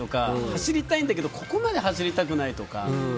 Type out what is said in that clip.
走りたいんだけどここまで走りたくないとか。